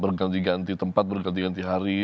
berganti ganti tempat berganti ganti hari